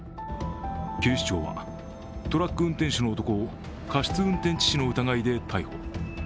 警視庁はトラック運転手の男を過失運転致死の疑いで逮捕。